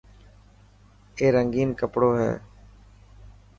اي رنگين ڪپڙو هي.